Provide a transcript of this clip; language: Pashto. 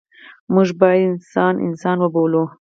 موږ باید انسان انسان وبولو.